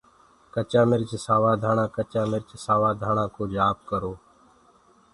ڪچآ مِرچ سوآ ڌآڻآ ڪچآ مِرچ سآوآ ڌآڻآ ڪچآ مِرچ سآوآ ڌآڻآ ڪو جآپ ڪرو۔